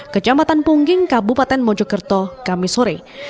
kejamatan pungging kabupaten mojokerto kamis sore